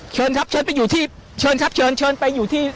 เชิญครับเชิญไปอยู่ที่เชิญครับเชิญเชิญไปอยู่ที่